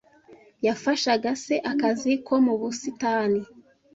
Yafashaga se akazi ko mu busitani.